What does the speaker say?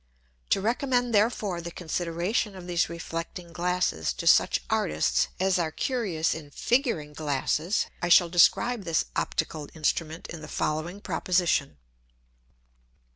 To recommend therefore the consideration of these reflecting Glasses to such Artists as are curious in figuring Glasses, I shall describe this optical Instrument in the following Proposition.